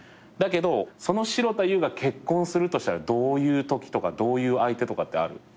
だけどその城田優が結婚をするとしたらどういうときとかどういう相手とかってある？